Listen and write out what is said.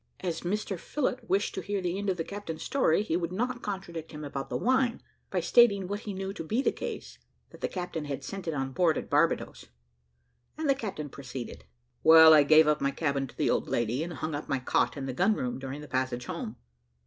As Mr Phillott wished to hear the end of the captain's story, he would not contradict him about the wine, by stating what he knew to be the case, that the captain had sent it on board at Barbadoes; and the captain proceeded. "Well, I gave up my cabin to the old lady, and hung up my cot in the gun room during the passage home.